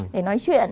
để nói chuyện